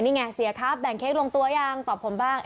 นี่ไงเสียครับแบ่งเค้กลงตัวยังตอบผมบ้าง